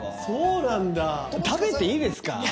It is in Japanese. そうなんだ食べていいですか？